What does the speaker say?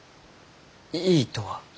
「いい」とは？